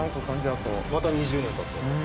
また２０年たったら。